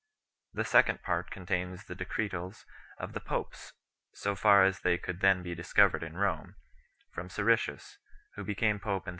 The second part contains the decretals of the popes, so far as they could then be discovered in Rome, from Siricius, who became pope in 385, to Anastasius.